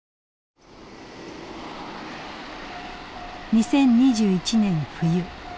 ２０２１年冬。